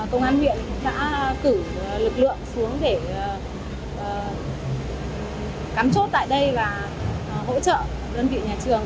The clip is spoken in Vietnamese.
công an huyện đã cử lực lượng xuống để cắm chốt tại đây và hỗ trợ đơn vị nhà trường